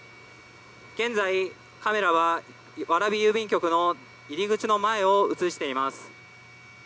現在、カメラは蕨郵便局の入り口の前を映しています。